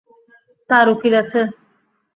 তার উকিল আছে।